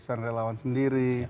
mereka punya relawan sendiri